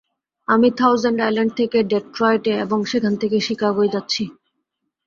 আমি thousand island থেকে ডেট্রয়েটে এবং সেখান থেকে চিকাগোয় যাচ্ছি।